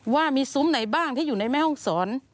ว่ามีซุ้มไหนบ้างที่อยู่ในแม่ห้องศร